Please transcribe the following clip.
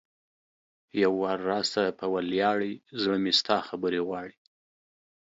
یو وار راسه په ولیاړې ـ زړه مې ستا خبرې غواړي